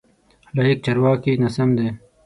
لایق: چارواکی ناسم دی.